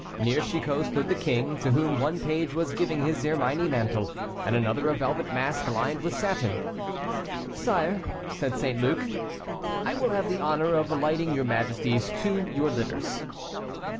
Near Chicot stood the king, to whom one page was giving his ermine mantle, and another a velvet mask lined with satin. "Sire," said St. Luc, "I will have the honor of lighting your majesties to your litters."